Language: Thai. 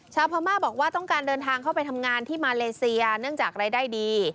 ชาวพม่าบอกว่าต้องการเดินทางเข้าไปทำงานที่มาเลเซียเนื่องจากรายได้ดี